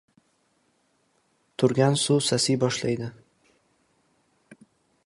• Turgan suv sasiy boshlaydi.